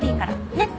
ねっ。